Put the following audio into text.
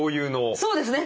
そうですね。